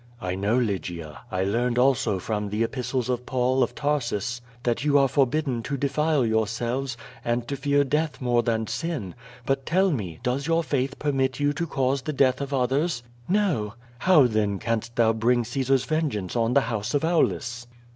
"I know, Lygia. I learned also from the Epistles of Paul, of Tarsus, that you are forbidden to defile yourselves, and to fear death more than sin, but tell me, does your faith permit you to cause the death of others?" ^'No." "How, then, canst thou bring Caesar's vengeance on the house of Aulus?"